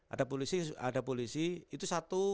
ada polisi ada polisi itu satu